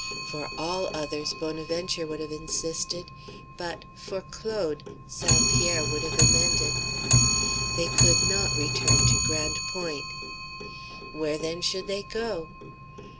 "For all others," Bonaventure would have insisted; but "for Claude," St. Pierre would have amended. They could not return to Grande Pointe. Where, then, should they go?